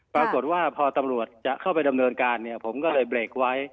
ปรากฏว่าพอตำรวจจะเข้าไปดำเนินการเนี่ยผมก็เลยเบรกไว้